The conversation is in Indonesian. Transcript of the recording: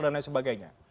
dan lain sebagainya